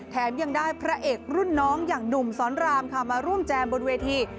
ยังได้พระเอกรุ่นน้องอย่างหนุ่มสอนรามค่ะมาร่วมแจมบนเวที